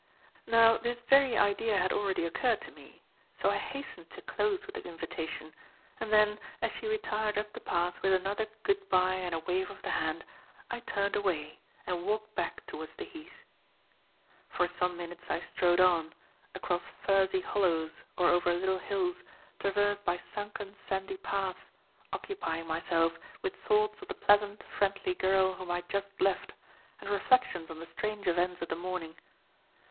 Now this very idea had already occurred to me, so I hastened to close with the invitation; and then, as she retired up the path with another "good bye" and a wave of the hand, I turned away and walked back towards the Heath. For some minutes I strode on, across furzy hollows or over little hills, traversed by sunken, sandy paths, occupying myself with thoughts of the pleasant, friendly girl whom I had just left and reflections on the strange events of the morning.